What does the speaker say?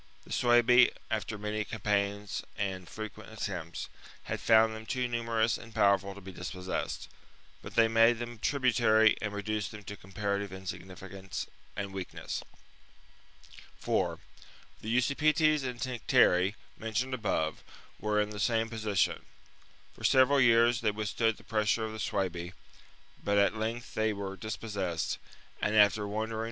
The Suebi, after many campaigns and frequent attempts, had found them too numerous and powerful to be dispossessed ; but they made them tributary and reduced them to comparative insig nificance and weakness. The usi 4. The Usipetes and Tencteri, mentioned above, Tencteri, wcrc in the same position. For several years byfheSuebi, thcy withstood the pressure of the Suebi ; but at country of.. Icugth thcy werc dispossessed, and, after wander enapu.